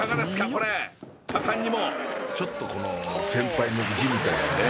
これ果敢にもちょっとこの先輩の意地みたいなね